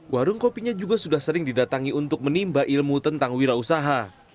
warung kopinya juga sudah sering didatangi untuk menimba ilmu tentang wira usaha